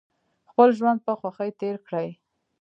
خپل ژوند په خوښۍ تیر کړئ